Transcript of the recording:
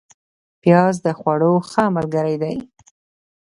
پیاز د خوړو ښه ملګری دی